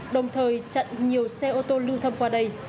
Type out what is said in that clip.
đồng thời chặn nhiều xe ô tô lưu thông qua đây